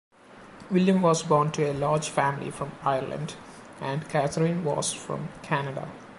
William was born to a large family from Ireland and Katherine was from Canada.